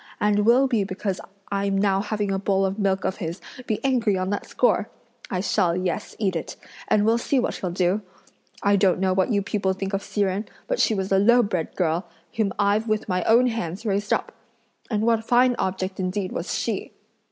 and will be because I'm now having a bowl of milk of his be angry on that score! I shall, yes, eat it, and we'll see what he'll do! I don't know what you people think of Hsi Jen, but she was a lowbred girl, whom I've with my own hands raised up! and what fine object indeed was she!"